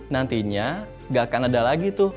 nantinya gak akan ada lagi tuh